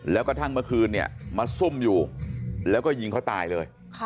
แล้วก็เมื่อคืนเนี่ยมาซุ่มอยู่แล้วก็ยิงเขาตายเลย